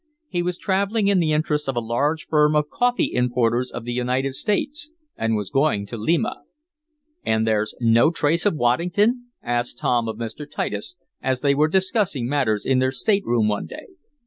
He was traveling in the interests of a large firm of coffee importers of the United States, and was going to Lima. "And there's no trace of Waddington?" asked Tom of Mr. Titus, as they were discussing matters in their stateroom one day.